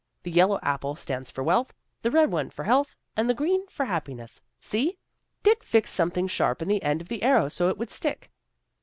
The yellow apple stands for wealth, the red one for health, and the green for happi ness. See! Dick fixed something sharp in the end of the arrow so it would stick."